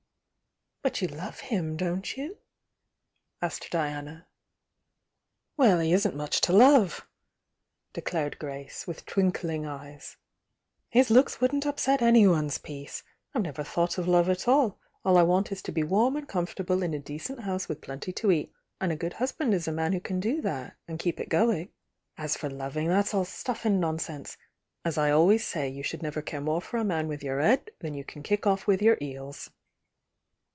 "But you love him, don't you?' asked Diana. "Well, he isn't much to love!" declared Grace, with twinkling eyes. "His looks wouldn't upset anyone's peace! I've never thought of love at all —all I want is to be warm and comfortable in a decent house with plenty to eat,— and a good hus band is a man who can do that, and keep it going. As for loving, that's all stuff and nonsense!— as I always say you should never care more for a man with your 'ed than you can kick off with your 'eels.